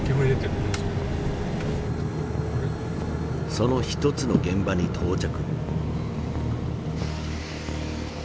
その一つの現場に到着。